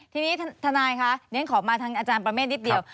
ทีนี้ทนายคะเรียนขอมาทางอาจารย์ประเมฆนิดเดียว